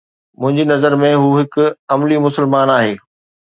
منهنجي نظر ۾ هو هڪ عملي مسلمان آهي